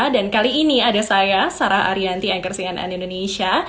dan kali ini ada saya sarah arianti anchor cnn indonesia